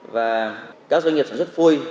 và các doanh nghiệp sản xuất phôi